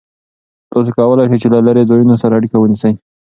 تاسو کولای شئ چې له لرې ځایونو سره اړیکه ونیسئ.